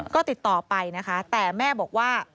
ก็ติดต่อไปนะคะแต่แม่บอกว่า